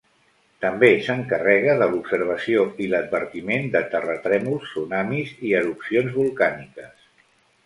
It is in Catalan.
També s'encarrega de l'observació i l'advertiment de terratrèmols, tsunamis i erupcions volcàniques.